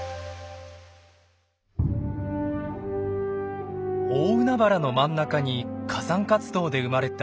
大海原の真ん中に火山活動で生まれた小笠原諸島。